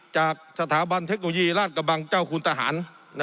จากสถาบันเทคโนโลยีราชกระบังเจ้าคุณทหาร